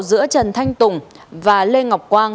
giữa trần thanh tùng và lê ngọc quang